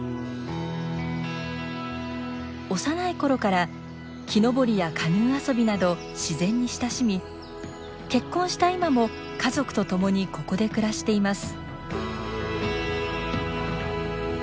幼いころから木登りやカヌー遊びなど自然に親しみ結婚した今も家族と共にここで暮らしています。